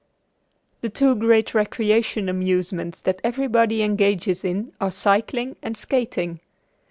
The two great recreation amusements that everybody engages in are cycling and skating.